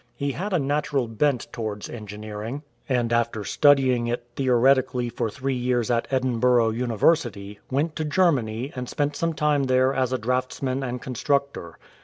He had a natural bent towards engineering, and after studying it 103 THE YOUNG ENGINEER theoretically for three years at Edinburgh University, went to Germany and spent some time there as a draughtsman and constructor.